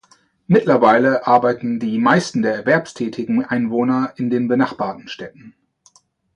Mittlerweile arbeiten die meisten der erwerbstätigen Einwohner in den benachbarten Städten.